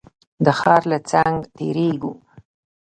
د ښار له څنګ تېرېږو.